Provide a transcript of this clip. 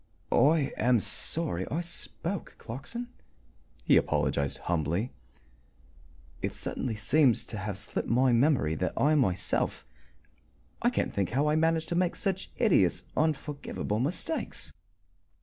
"I am sorry I spoke, Clarkson," he apologized humbly. "It certainly seemed to have slipped my memory that I myself I can't think how I managed to make such hideous, unforgivable mistakes."